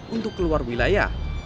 untuk keluar wilayah